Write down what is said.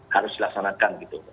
harus dilaksanakan gitu